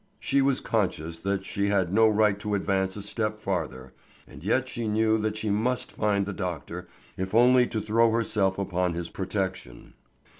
She was conscious that she had no right to advance a step farther, and yet she knew that she must find the doctor, if only to throw herself upon his protection.